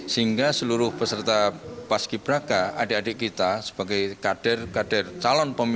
sehingga seluruh peserta paski braka adik adik kita sebagai kader kader calon pemimpin